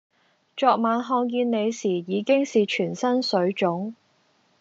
昨晚看見你時已經是全身水腫